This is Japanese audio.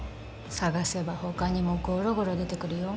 探せば他にもゴロゴロ出てくるよ